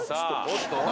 おっと？